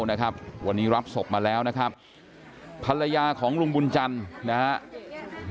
วันนี้รับสบมาแล้วนะครับภรรยาของลุงบุญจันทร์นะฮะ